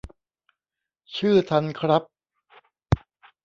ชื่อทันครับ